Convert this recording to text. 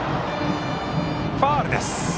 ファウルです。